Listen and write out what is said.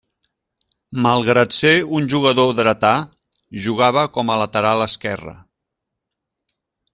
Malgrat ser un jugador dretà, jugava com a lateral esquerre.